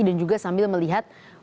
dan juga sambil melihat